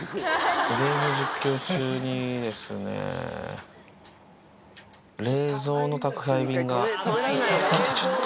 ゲーム実況中にですね、冷蔵の宅配便が来て、ちょっと。